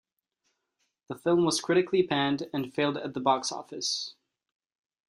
The film was critically panned, and failed at the box office.